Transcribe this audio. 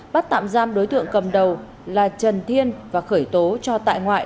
bắt tạm giam đối tượng cầm đầu là trần thiên và khởi tố cho tại ngoại